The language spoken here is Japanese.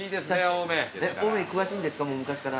青梅に詳しいんですか？